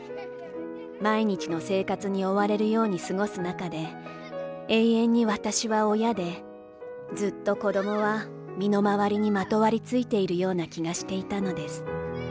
毎日の生活に追われるように過ごす中で、永遠に私は親で、ずっと子供は身の回りにまとわりついているような気がしていたのです。